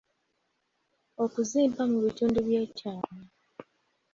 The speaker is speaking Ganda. Okuzimba mu bitundu by’ekyama.